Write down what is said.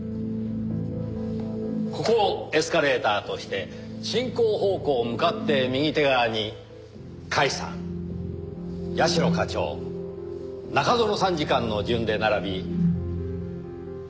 ここをエスカレーターとして進行方向向かって右手側に甲斐さん社課長中園参事官の順で並び。